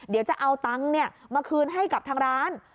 เดี๋ยวจะเอาตังค์มาคืนให้กับทางร้าน